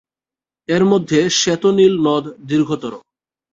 এর মধ্যে শ্বেত নীল নদ দীর্ঘতর।